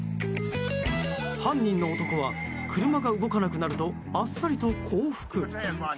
犯人の男は車が動かなくなるとあっさりと降伏。